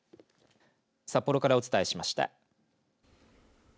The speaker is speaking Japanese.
札幌からお伝えしました。